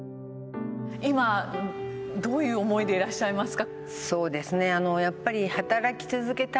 今、どういう思いでいらっしゃいますか？